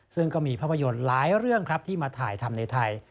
ซึ่งก็มีภาพยนตร์หลายเรื่องครับที่มาถ่ายทำในไทย